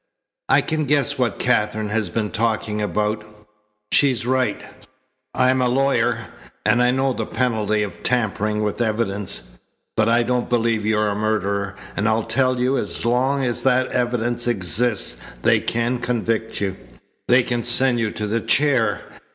"I can guess what Katherine has been talking about. She's right. I'm a lawyer, an I know the penalty of tampering with evidence. But I don't believe you're a murderer, and I tell you as long as that evidence exists they can convict you. They can send you to the chair.